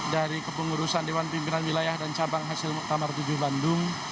dari kepengurusan dewan pimpinan wilayah dan cabang hasil muktamar tujuh bandung